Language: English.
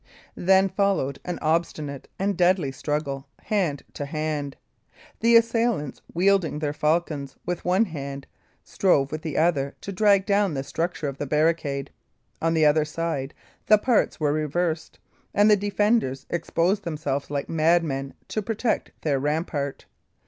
Then followed an obstinate and deadly struggle, hand to hand. The assailants, wielding their falchions with one hand, strove with the other to drag down the structure of the barricade. On the other side, the parts were reversed; and the defenders exposed themselves like madmen to protect their rampart.